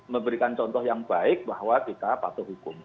memberikan contoh yang baik bahwa kita patuh hukum